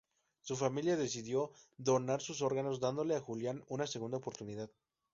Su familia decidió donar sus órganos dándole a Julián una segunda oportunidad.